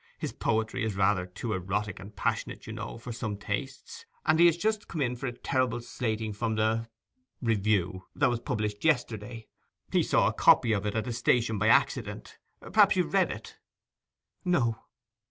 His poetry is rather too erotic and passionate, you know, for some tastes; and he has just come in for a terrible slating from the —— Review that was published yesterday; he saw a copy of it at the station by accident. Perhaps you've read it?' 'No.